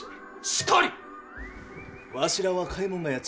しかり。